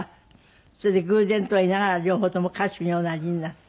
それで偶然とは言いながら両方とも歌手におなりになって。